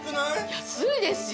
安いですよ。